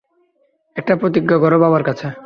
একটা প্রতিজ্ঞা করো বাবার কাছে।